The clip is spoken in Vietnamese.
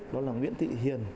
đó là nguyễn thị hiền